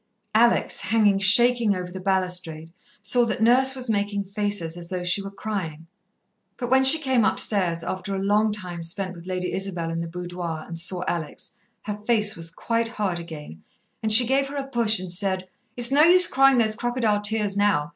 Alex, hanging shaking over the balustrade, saw that Nurse was making faces as though she were crying. But when she came upstairs, after a long time spent with Lady Isabel in the boudoir, and saw Alex, her face was quite hard again, and she gave her a push and said, "It's no use crying those crocodile tears now.